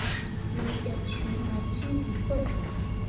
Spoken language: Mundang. Me yak suu mur ceevǝkoi.